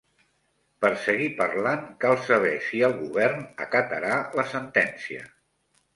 Per seguir parlant, cal saber si el govern acatarà la sentència.